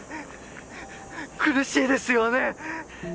苦しいですよね。